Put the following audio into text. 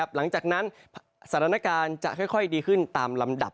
หลังจากนั้นสถานการณ์จะค่อยดีขึ้นตามลำดับ